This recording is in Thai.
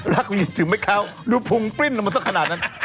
นี่ไงหลักถึงไม่เข้าดูพุงปริ้นมันต้องขนาดนั้น